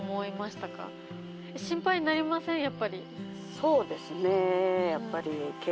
そうですねやっぱり。